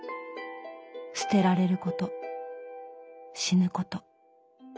捨てられること死ぬこと。